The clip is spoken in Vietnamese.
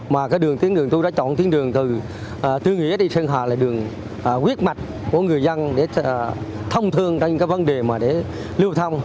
mà cái đường tuyến đường tôi đã chọn tuyến đường từ tư nghĩa đi sơn hà là đường quyết mạch của người dân để thông thương trong những cái vấn đề mà để lưu thông